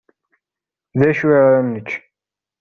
D acu ara nečč?